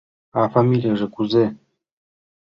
А фамилийже кузе?